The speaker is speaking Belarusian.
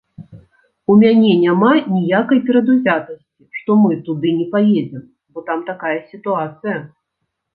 У мяне няма ніякай перадузятасці, што мы туды не паедзем, бо там такая сітуацыя!